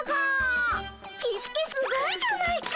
キスケすごいじゃないか。